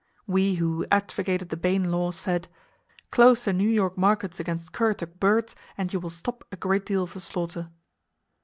We who advocated the Bayne law said: "Close the New York markets against Currituck birds, and you will stop a great deal of the slaughter."